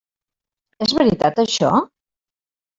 És veritat això?